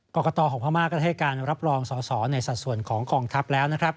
กรกตของพม่าก็ได้ให้การรับรองสอสอในสัดส่วนของกองทัพแล้วนะครับ